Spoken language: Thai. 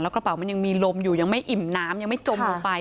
กระเป๋ามันยังมีลมอยู่ยังไม่อิ่มน้ำยังไม่จมลงไป